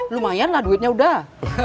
lumayan lah duitnya udah